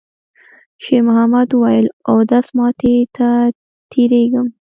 شېرمحمد وویل: «اودس ماتی ته تېرېږم.»